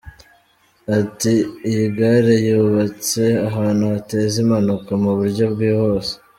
Ati"Iyi gare yubatse ahantu hateza impanuka mu buryo bwihuse.